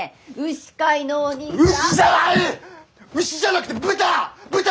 牛じゃなくて豚！